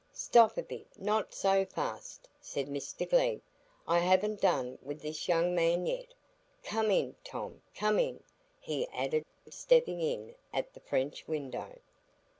"Stop a bit; not so fast," said Mr Glegg; "I haven't done with this young man yet. Come in, Tom; come in," he added, stepping in at the French window.